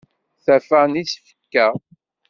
Tafa n isefka.